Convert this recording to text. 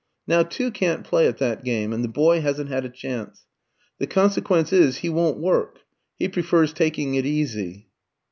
Now two can't play at that game, and the boy hasn't had a chance. The consequence is, he won't work; he prefers taking it easy."